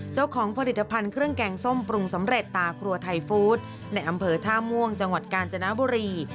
เจ้าของผลิตภัณฑ์เครื่องแกงส้มปรุงสำเร็จตาครัวไทยฟู้ดในอำเภอท่าม่วงจังหวัดกาญจนบุรี